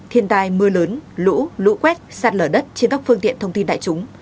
thiên tai mưa lớn lũ lũ quét sạt lở đất trên các phương tiện thông tin đại chúng